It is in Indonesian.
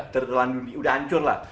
terkelan dunia udah hancur lah